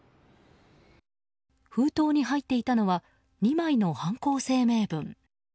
封筒に入っていたのは２枚の犯行声明文。